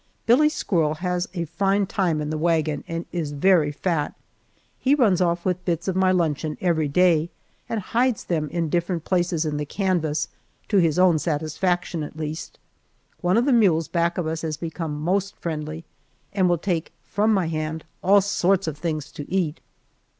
Billie squirrel has a fine time in the wagon and is very fat. He runs off with bits of my luncheon every day and hides them in different places in the canvas, to his own satisfaction at least. One of the mules back of us has become most friendly, and will take from my hand all sorts of things to eat.